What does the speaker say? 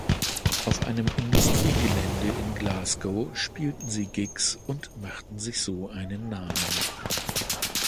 Auf einem Industriegelände in Glasgow spielten sie Gigs und machten sich so einen Namen.